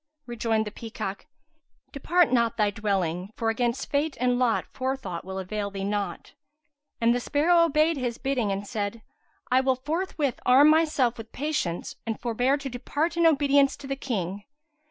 Rejoined the peacock, "Depart not thy dwelling, for against fate and lot forethought will avail the naught." And the sparrow obeyed his bidding and said, "I will forthwith arm myself with patience and forbear to depart in obedience to the King."